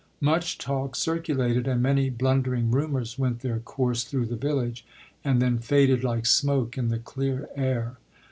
Much talk circulated, and many blundering rumours went their course through the village, and then faded like smoke in the clear air.